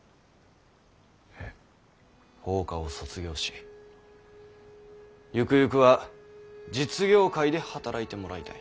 法科を卒業しゆくゆくは実業界で働いてもらいたい。